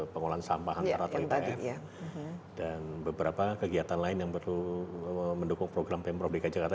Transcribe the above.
pengolahan sampah antara tv dan beberapa kegiatan lain yang perlu mendukung program pemprov dki jakarta